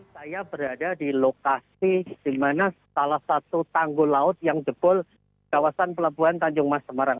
saya berada di lokasi dimana salah satu tanggul laut yang jebol kawasan pelabuhan tanjuma semarang